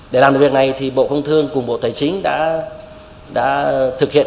để làm được việc này thì bộ công thương cùng bộ tài chính đã thực hiện